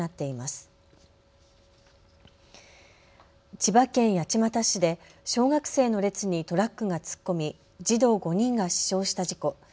千葉県八街市で、小学生の列にトラックが突っ込み児童５人が死傷した事故。